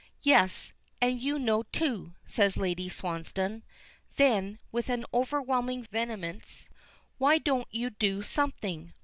"Yes, and you know, too," says Lady Swansdown. Then, with an overwhelming vehemence: "Why don't you do something?